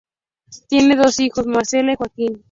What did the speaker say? Tiene dos hijos: Marcela y Joaquín.